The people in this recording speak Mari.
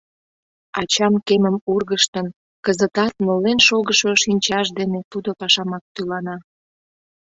Ачам кемым ургыштын, кызытат нолен шогышо шинчаж дене тудо пашамак тӱлана.